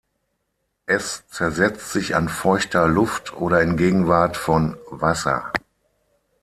Es zersetzt sich an feuchter Luft oder in Gegenwart von Wasser.